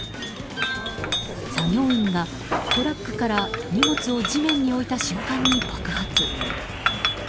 作業員がトラックから荷物を地面に置いた瞬間に爆発。